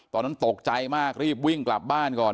ตอนนั้นตกใจมากรีบวิ่งกลับบ้านก่อน